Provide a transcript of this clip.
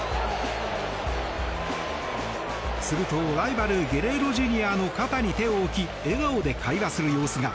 すると、ライバルゲレーロＪｒ．の肩に手を置き笑顔で会話する様子が。